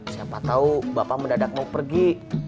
siapa tahu bapak mendadak mau pergi